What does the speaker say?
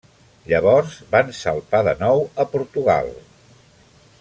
Llavors van salpar de nou a Portugal.